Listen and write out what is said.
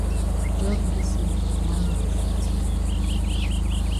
Jos gree say man no go fit.